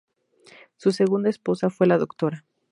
Su segunda esposa fue la Dra.